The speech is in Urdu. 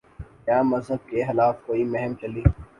کیا مذہب کے خلاف کوئی مہم چلی؟